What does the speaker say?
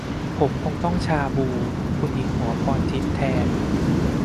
ผมคงต้องชาบู คุณหญิงหมอพรทิพย์ แทน